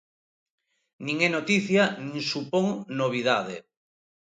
Nin é noticia nin supón novidade.